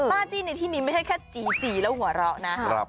จี้ในที่นี้ไม่ใช่แค่จีจีแล้วหัวเราะนะ